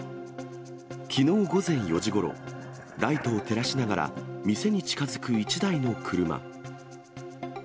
きのう午前４時ごろ、ライトを照らしながら店に近づく１台の車。